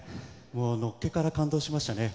のっけから感動しましたね。